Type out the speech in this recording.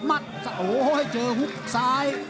มัดโอ้โหให้เจอฮุกซ้าย